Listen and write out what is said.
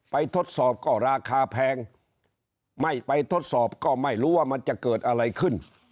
ทดสอบก็ราคาแพงไม่ไปทดสอบก็ไม่รู้ว่ามันจะเกิดอะไรขึ้น